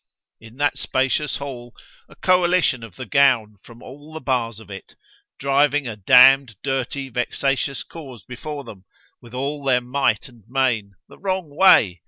In that spacious HALL, a coalition of the gown, from all the bars of it, driving a damn'd, dirty, vexatious cause before them, with all their might and main, the wrong way!